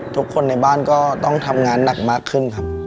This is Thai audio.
ทุกคนในบ้านก็ต้องทำงานหนักมากขึ้นครับ